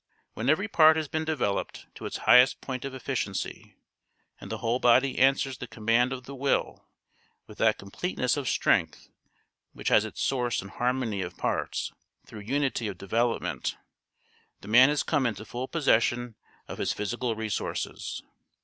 When every part has been developed to its highest point of efficiency, and the whole body answers the command of the will with that completeness of strength which has its source in harmony of parts through unity of development, the man has come into full possession of his physical resources.